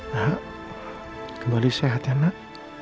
nak kembali sehat ya nak